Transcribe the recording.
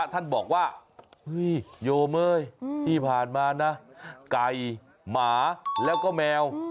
ท่านบอกว่าโยมท์ที่ผ่านมาน่าไก่หมาแล้วก็แมว